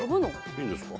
いいんですか？